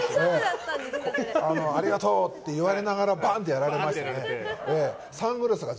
ありがとう！って言われながらバンってやられまして。